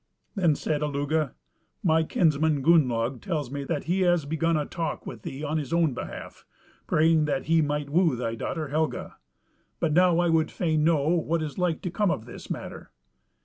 Then said Illugi, "My kinsman Gunnlaug tells me that he has begun a talk with thee on his own behalf, praying that he might woo thy daughter Helga; but now I would fain know what is like to come of this matter.